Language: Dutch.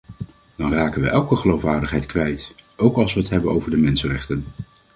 Dan raken we elke geloofwaardigheid kwijt, ook als we het hebben over de mensenrechten.